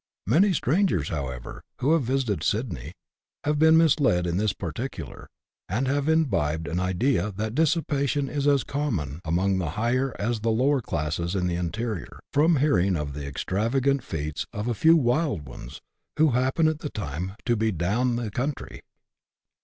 Many strangers, however, who have visited Sydney, have been misled in this particular, and have imbibed an idea that dissipation is as common among the higher as the lower classes in the interior, from hearing of the extravagant feats of a few " wild ones," who happen at the time to be " down the country."